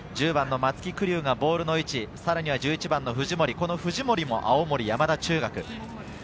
１０番の松木玖生がボールの位置、さらには１１番の藤森、藤森も青森山田中学。